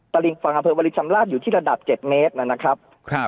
ตระหลิงฝั่งอำเภอวรินชำราบอยู่ที่ระดับเจ็ดเมตรน่ะนะครับครับ